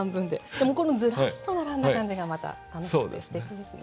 でもこのズラッと並んだ感じがまた楽しくてすてきですね。